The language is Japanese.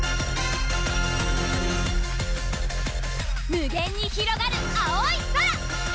無限にひろがる青い空！